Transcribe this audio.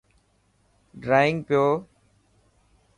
ڊرانگ پيو.